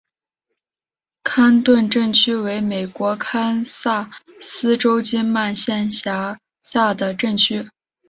坎顿镇区为美国堪萨斯州金曼县辖下的镇区。